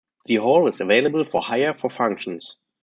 The Hall is available for hire for functions.